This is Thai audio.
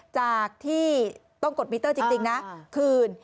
จากที่ต้องกดมิเตอร์จริงนะคืน